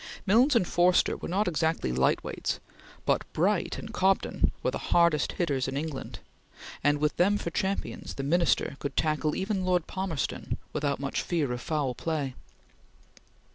Milnes and Forster were not exactly light weights, but Bright and Cobden were the hardest hitters in England, and with them for champions the Minister could tackle even Lord Palmerston without much fear of foul play.